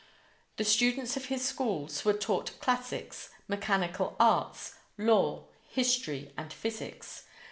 The students of his schools were taught classics, mechanical arts, law, history, and physics.